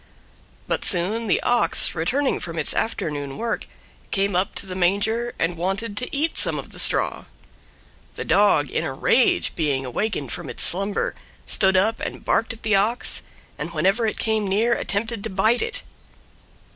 But soon the Ox, returning from its afternoon work, came up to the Manger and wanted to eat some of the straw. The Dog in a rage, being awakened from its slumber, stood up and barked at the Ox, and whenever it came near attempted to bite it.